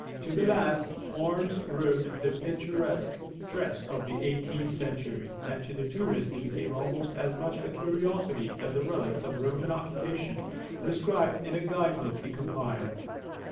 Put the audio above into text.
To the last, Barnes wore the picturesque dress of the eighteenth century, and to the tourist he became almost as much a curiosity as the relics of Roman occupation described in a guide book he compiled.